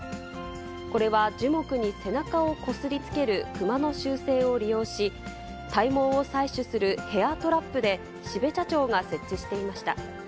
これは樹木に背中をこすりつけるクマの習性を利用し、体毛を採取するヘア・トラップで、標茶町が設置していました。